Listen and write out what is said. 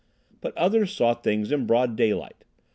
But others saw things in broad daylight.